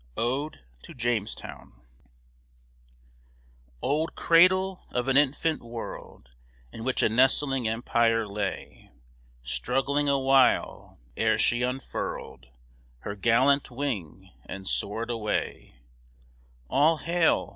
ODE TO JAMESTOWN Old cradle of an infant world, In which a nestling empire lay, Struggling awhile, ere she unfurled Her gallant wing and soared away; All hail!